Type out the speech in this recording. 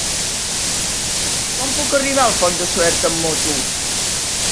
Com puc arribar al Pont de Suert amb moto?